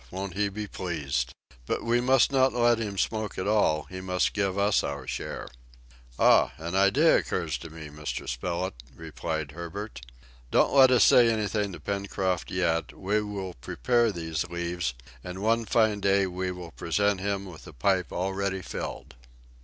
Won't he be pleased! But we must not let him smoke it all, he must give us our share." "Ah! an idea occurs to me, Mr. Spilett," replied Herbert. "Don't let us say anything to Pencroft yet; we will prepare these leaves, and one fine day we will present him with a pipe already filled!"